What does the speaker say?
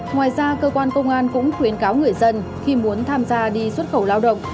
ngoài ra cơ quan công an cũng khuyến cáo người dân khi muốn tham gia đi xuất khẩu lao động